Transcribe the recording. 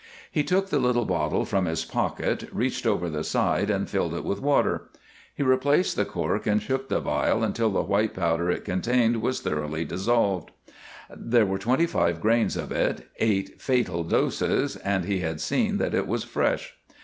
He took the little bottle from his pocket, reached over the side and filled it with water. He replaced the cork and shook the vial until the white powder it contained was thoroughly dissolved. There were twenty five grains of it, eight fatal doses, and he had seen that it was fresh.